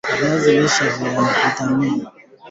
viazi lishe Vina vitamini A inayosaidia kuona